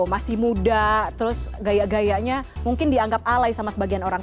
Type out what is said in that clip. masih muda terus gaya gayanya mungkin dianggap alai sama sebagian orang